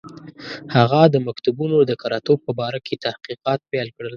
هغه د مکتوبونو د کره توب په باره کې تحقیقات پیل کړل.